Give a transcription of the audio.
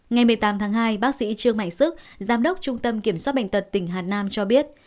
ngày một mươi tám tháng hai bác sĩ trương mạnh sức giám đốc trung tâm kiểm soát bệnh tật tỉnh hà nam cho biết